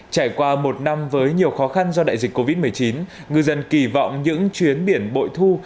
trải qua một năm với nhiều khó khăn do đại dịch covid một mươi chín ngư dân kỳ vọng những chuyến biển bội thu